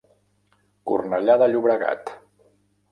Cornellà de Llobregat.